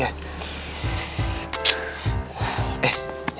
aduh tapi gue gak enak sih ya